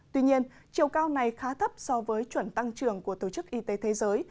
tuy nhiên chiều cao này khá thấp so với chuẩn tăng trưởng của tổ chức y tế thế giới